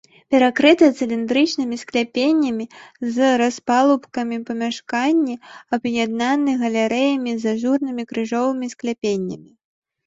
Перакрытыя цыліндрычнымі скляпеннямі з распалубкамі памяшканні аб'яднаны галерэямі з ажурнымі крыжовымі скляпеннямі.